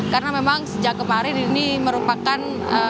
karena memang sejak kemarin ini merupakan